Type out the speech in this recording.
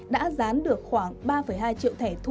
đã gián được khoảng ba hai triệu thẻ thu